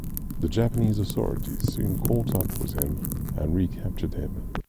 The Japanese authorities soon caught up with him and recaptured him.